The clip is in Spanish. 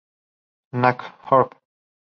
Snack Orb.